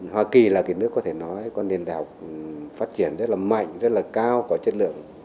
hoa kỳ là cái nước có thể nói con nền ảo phát triển rất là mạnh rất là cao có chất lượng